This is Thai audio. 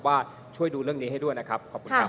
ว่าช่วยดูเรื่องนี้ให้ด้วยนะครับ